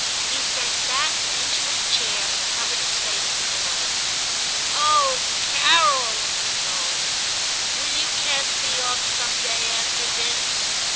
He sank back into his chair and covered his face with the letter. * Oh ! Carol,' he moaned, * will you cast me off some day after this